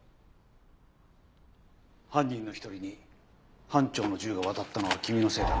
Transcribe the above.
犯人の１人に班長の銃が渡ったのは君のせいだな？